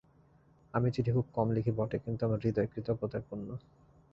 আমি চিঠি খুব কম লিখি বটে, কিন্তু আমার হৃদয় কৃতজ্ঞতায় পূর্ণ।